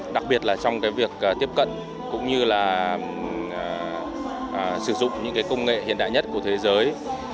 đặc biệt là trong việc tiếp cận cũng như là sử dụng những công nghệ hiện đại nhất của thế giới